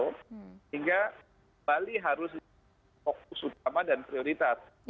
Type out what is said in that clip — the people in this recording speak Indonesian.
sehingga bali harus fokus utama dan prioritas